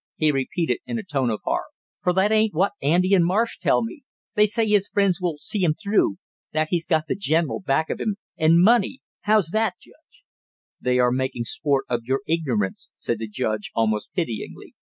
he repeated in a tone of horror. "But that ain't what Andy and Marsh tell me; they say his friends will see him through, that he's got the general back of him, and money how's that, Judge?" "They are making sport of your ignorance," said the judge, almost pityingly.